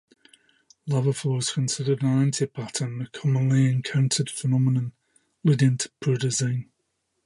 Lava flow is considered an anti-pattern, a commonly encountered phenomenon leading to poor design.